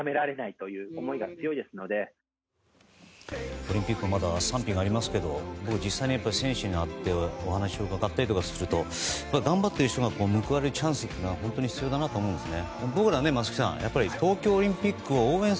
オリンピックまだ賛否がありますけど僕、実際に選手に会ってお話を伺ったりすると頑張ってる人が報われるチャンスは本当に必要だなと思うんですね。